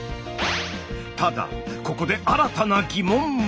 ただここで新たな疑問も。